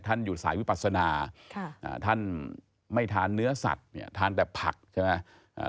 อยู่สายวิปัสนาท่านไม่ทานเนื้อสัตว์เนี่ยทานแต่ผักใช่ไหม